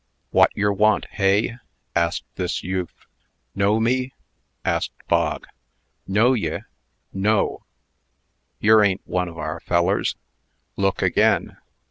"Wot yer want, hey?" asked this youth. "Know me?" asked Bog. "Know ye? No. Yer a'n't one of our fellers." "Look again."